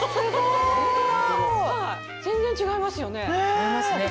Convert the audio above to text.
すごい！全然違いますよね。